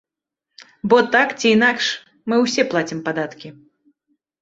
Бо так ці інакш мы ўсе плацім падаткі.